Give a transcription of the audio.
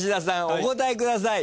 お答えください。